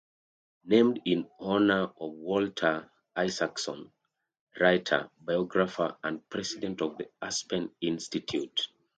Named in honor of Walter Isaacson, writer, biographer and president of the Aspen Institute.